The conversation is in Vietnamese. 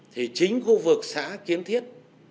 thì chính khu vực xã kiến thiết